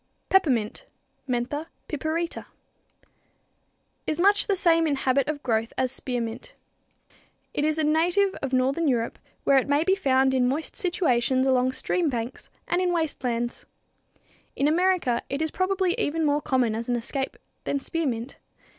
=Peppermint= (Mentha piperita, Linn.) is much the same in habit of growth as spearmint. It is a native of northern Europe, where it may be found in moist situations along stream banks and in waste lands. In America it is probably even more common as an escape than spearmint.